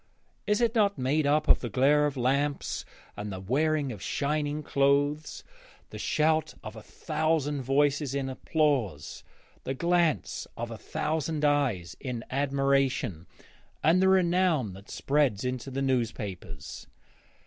Is it not made up of the glare of lamps and the wearing of shining clothes, the shout of a thousand voices in applause, the glance of a thousand eyes in admiration, and the renown that spreads into the newspapers?